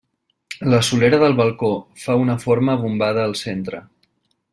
La solera del balcó fa una forma bombada al centre.